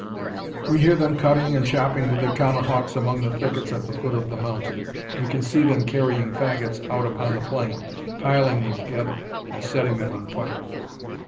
We hear them cutting and chopping with their tomahawks among the thickets at the foot of the mountain. We can see them carrying faggots out upon the plain, piling them together, and setting them on fire.